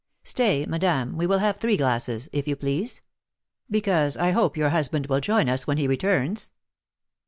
Stay, madame, we will have three glasses, if you please; because I hope your husband will join us when he returns."